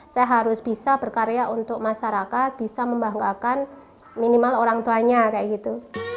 saya harus bisa berkarya untuk masyarakat bisa membanggakan minimal orang tuanya kayak gitu